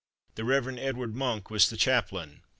The Rev. Edward Monk was the chaplain.